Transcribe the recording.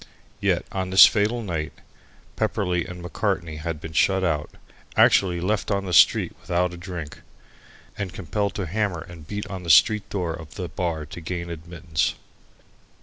Yet on this fatal night Pepperleigh and Macartney had been shut out actually left on the street without a drink, and compelled to hammer and beat at the street door of the bar to gain admittance.